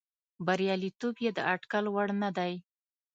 بریالیتوب یې د اټکل وړ نه دی.